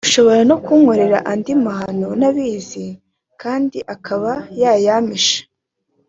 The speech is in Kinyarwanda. ushobora no kunkorera andi mahano ntabizi kandi akaba yayampisha